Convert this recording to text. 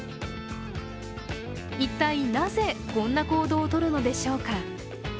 一体なぜ、こんな行動を取るのでしょうか。